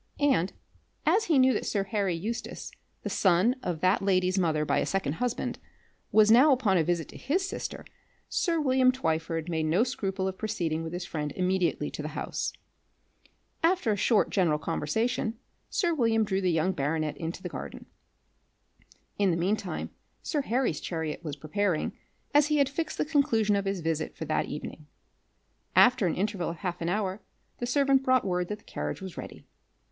And, as he knew that Sir Harry Eustace, the son of that lady's mother by a second husband, was now upon a visit to his sister, sir William Twyford made no scruple of proceeding with his friend immediately to the house. After a short general conversation, sir William drew the young baronet into the garden. In the mean time sir Harry's chariot was preparing, as he had fixed the conclusion of his visit for that evening. After an interval of half an hour the servant brought word that the carriage was ready.